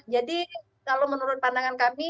jadi kalau menurut pandangan kami